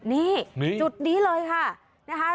นี่จุดนี้เลยค่ะ